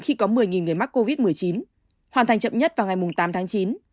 khi có một mươi người mắc covid một mươi chín hoàn thành chậm nhất vào ngày tám tháng chín